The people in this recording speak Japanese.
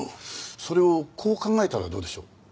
それをこう考えたらどうでしょう？